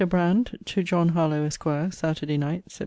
BRAND, TO JOHN HARLOWE, ESQ. SAT. NIGHT, SEPT.